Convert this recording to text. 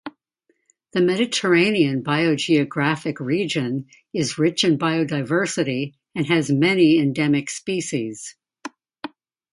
The Mediterranean Biogeographic Region is rich in biodiversity and has many endemic species.